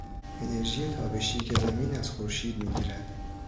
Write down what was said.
انرژی تابشی که زمین از خورشید میگیرد